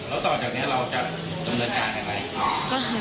แล้วต่อจากนี้เราจะจำนวดจากได้ไหม